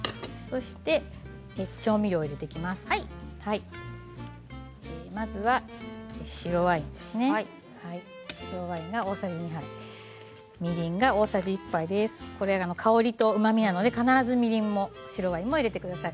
これらは香りとうまみなので必ずみりんも、白ワインも入れてください。